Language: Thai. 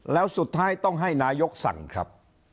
แล้วสุดท้ายต้องให้นายกสั่งครับ